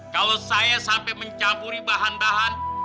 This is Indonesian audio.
kalau saya sampai mencampuri bahan bahan